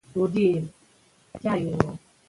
که توبه وباسو نو ګناه نه پاتې کیږي.